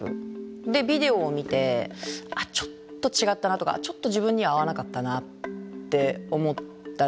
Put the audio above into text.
でビデオを見てちょっと違ったなとかちょっと自分には合わなかったなって思ったらそこをアジャストしていく。